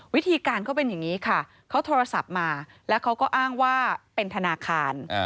วิธีการเขาเป็นอย่างนี้ค่ะเขาโทรศัพท์มาแล้วเขาก็อ้างว่าเป็นธนาคาร